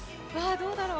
どうだろう。